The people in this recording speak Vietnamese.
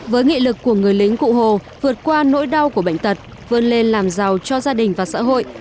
với nghị lực của người lính cụ hồ vượt qua nỗi đau của bệnh tật vươn lên làm giàu cho gia đình và xã hội